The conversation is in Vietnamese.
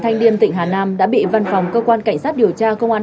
thanh niên tỉnh hà nam đã bị văn phòng cơ quan cảnh sát điều tra công an